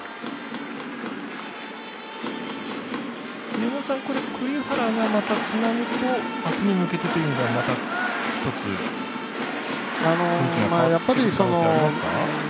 宮本さん、栗原が、またつなぐと明日に向けてという意味ではまた一つ雰囲気がかわっていく可能性ありますか？